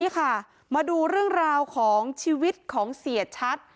นี่ค่ะมาดูเรื่องราวของชีวิตของเสียชัด